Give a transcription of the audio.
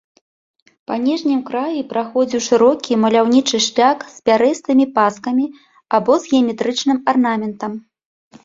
Па ніжнім краі праходзіў шырокі маляўнічы шляк з пярэстымі паскамі або з геаметрычным арнаментам.